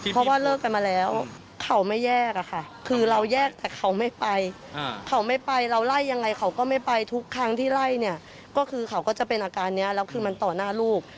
เพราะว่าเลิกกันมาแล้วเขาไม่แยกอะค่ะคือเราแยกแต่เขาไม่ไปเขาไม่ไปเราไล่ยังไงเขาก็ไม่ไปทุกครั้งที่ไล่เนี่ยก็คือเขาก็จะเป็นอาการนี้แล้วคือมันต่อหน้าลูก